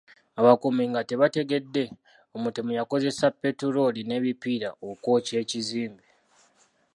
Abakuumi nga tebategedde, omutemu yakozesa petulooli n'ebipiira okwokya ekizimbe.